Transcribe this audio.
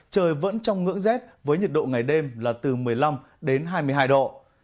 trời vẫn trong ngưỡng rét với nhiệt độ ngày đêm là từ một mươi năm đến hai mươi hai độ